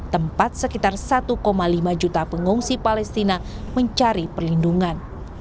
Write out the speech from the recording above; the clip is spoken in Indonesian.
tempat sekitar satu lima juta pengungsi palestina mencari perlindungan